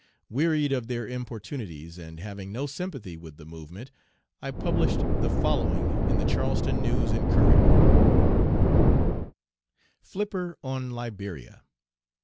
Wearied of their importunities, and having no sympathy with the movement, I published the following in the Charleston News and Courier: FLIPPER ON LIBERIA.